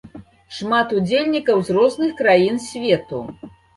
Шмат удзельнікаў з розных краін свету.